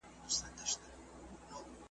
استادان رسمي لباس اغوندي.